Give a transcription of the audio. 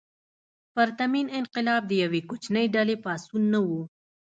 پرتمین انقلاب د یوې کوچنۍ ډلې پاڅون نه و.